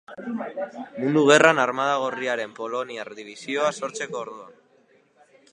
Mundu Gerran Armada Gorriaren poloniar dibisioa sortzeko orduan.